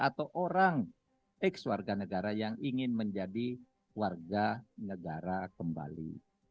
atau orang ex warga negara yang ingin menjadi warga negara kembali